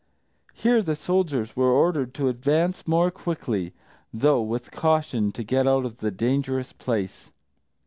Here the soldiers were ordered to advance more quickly, though with caution, to get out of the dangerous place.